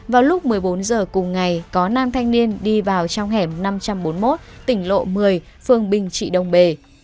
vào lúc một mươi bốn h cùng ngày có nam thanh niên đi vào trong hẻm năm trăm bốn mươi một tỉnh lộ một mươi phường bình trị đông bê